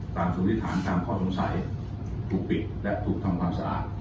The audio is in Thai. สุนิษฐานตามข้อสงสัยถูกปิดและถูกทำความสะอาด